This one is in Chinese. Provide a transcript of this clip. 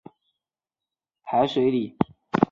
阿杰后来把这块可能带来大祸的玉牌扔进了海水里。